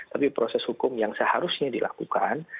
tapi proses hukum yang seharusnya dilakukan